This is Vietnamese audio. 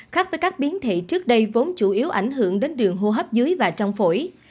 khác với các biến thị trước đây vốn chủ yếu ảnh hưởng đến đường hô hấp dưới và trong phổi